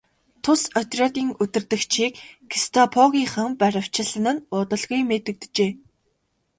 Тус отрядын удирдагчдыг гестапогийнхан баривчилсан нь удалгүй мэдэгджээ.